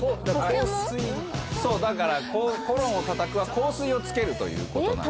そうだから「コロンをたたく」は香水を付けるということなんです。